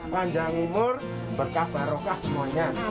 panjang umur berkah barokah semuanya